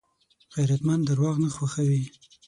غیرتمند درواغ نه خوښوي